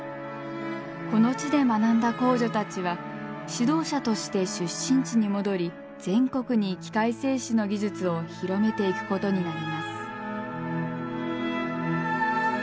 この地で学んだ工女たちは指導者として出身地に戻り全国に器械製糸の技術を広めていくことになります。